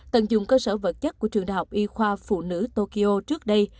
tận dụng cơ sở vật chất của trường đại học y khoa phụ nữ tokyo trước đây